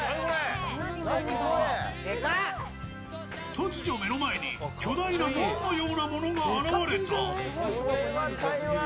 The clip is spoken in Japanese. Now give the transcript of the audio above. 突如、目の前に巨大な門のようなものが現れた。